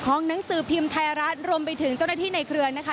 หนังสือพิมพ์ไทยรัฐรวมไปถึงเจ้าหน้าที่ในเครือนะคะ